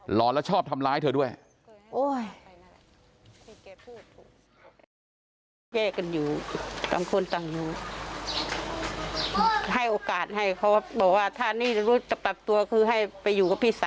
หอนแล้วชอบทำร้ายเธอด้วย